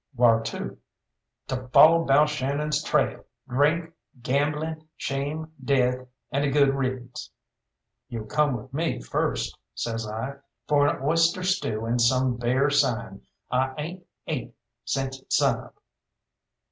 "Whar to?" "To follow Balshannon's trail drink, gambling, shame, death, and a good riddance." "You'll come with me first," says I, "for an oyster stew and some bear sign. I ain't ate since sun up."